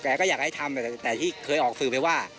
ก็อยากให้ทำแต่ที่เคยออกสื่อไปว่า